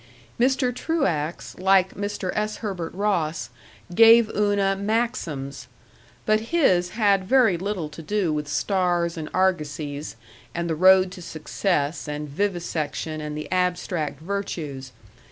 Mr. Truax, like Mr. S. Herbert Ross, gave Una maxims. But his had very little to do with stars and argosies, and the road to success, and vivisection, and the abstract virtues.